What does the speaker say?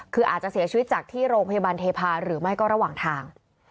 คืออาจจะเสียชีวิตจากที่โรงพยาบาลเทพาหรือไม่ก็ระหว่างทาง